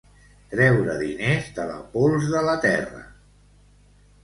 Treure diners de la pols de la terra.